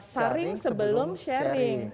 sharing sebelum sharing